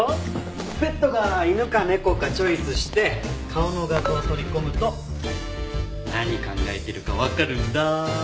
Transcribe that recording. ペットが犬か猫かチョイスして顔の画像を取り込むと何考えてるかわかるんだ。